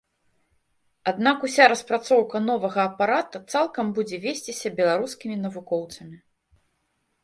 Аднак уся распрацоўка новага апарата цалкам будзе весціся беларускімі навукоўцамі.